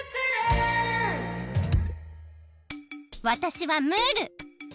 わたしはムール。